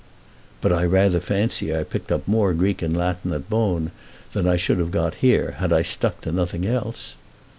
"But I rather fancy I picked up more Greek and Latin at Bohn than I should have got here, had I stuck to nothing else."